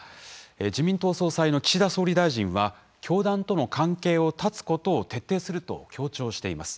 自民党総裁の岸田総理大臣は教団との関係を断つことを徹底すると強調しています。